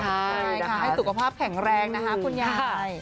ให้สุขภาพแข็งแรงนะคะคุณยาย